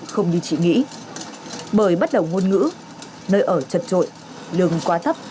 không như chị nghĩ bởi bắt đầu ngôn ngữ nơi ở trật trội lường quá thấp